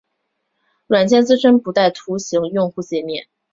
软件自身不带图形用户界面。